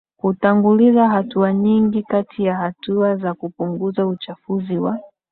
kutanguliza hatua Nyingi kati ya hatua za kupunguza uchafuzi wa